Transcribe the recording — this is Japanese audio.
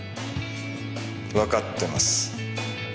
わかってます。